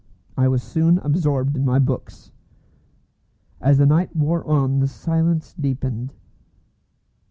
I was soon absorbed in my books. As the night wore on the silence deepened.